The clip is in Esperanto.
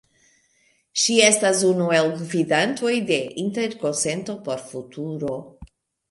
Ŝi estas unu el gvidantoj de Interkonsento por Futuro.